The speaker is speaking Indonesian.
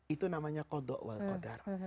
itu namanya kodok wal qadar